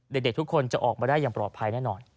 เด็กทุกคนจะออกมาได้อย่างปลอดภัยแน่นอน